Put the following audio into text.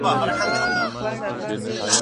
ته ولي موسيقي اورې،